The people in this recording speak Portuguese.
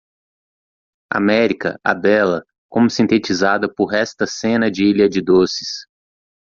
América?, a bela?, como sintetizada por esta cena de ilha de doces.